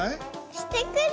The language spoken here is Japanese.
してくる。